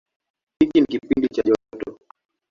Hiki ni kipindi cha joto.